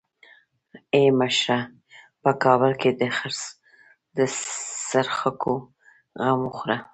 ای مشره په کابل کې د څرخکو غم وخوره.